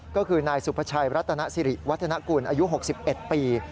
ก็คือนายสุภาชัยรัตนสิริวัฒนกุลอายุ๖๑ปี